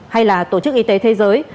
hay là tổ chức y tế thế giới